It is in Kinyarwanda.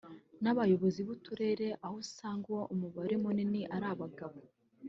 nk’abayobozi b’uturere aho usanga umubare munini ari abagabo